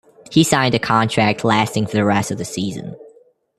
He signed a contract, lasting for the rest of the season.